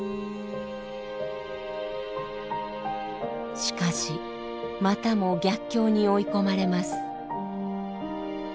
しかしまたも逆境に追い込まれます。